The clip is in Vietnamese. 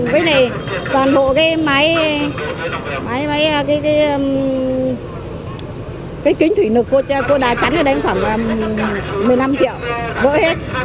bên này toàn bộ cái máy cái kính thủy lực cô đã chắn ở đây khoảng một mươi năm triệu vỡ hết